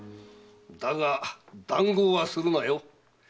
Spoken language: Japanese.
だが談合はするなよ。